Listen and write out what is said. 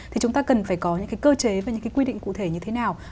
thì chúng ta cần phải có những cái cơ chế và những cái quy định cụ thể như thế nào